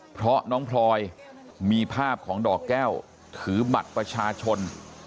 เพราะน้องพลอยมีภาพของดอกแก้วถือบัตรประชาชน